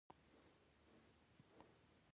پر ځان د باور فورمول پينځه برخې لري.